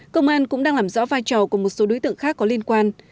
công an cũng đang làm rõ vai trò của một số đối tượng khác có liên quan